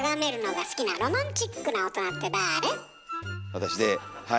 私ではい。